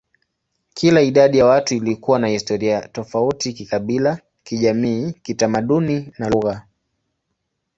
Kila idadi ya watu ilikuwa na historia tofauti kikabila, kijamii, kitamaduni, na lugha.